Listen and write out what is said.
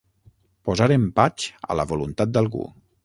Posar empatx a la voluntat d'algú.